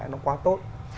nó quá tốt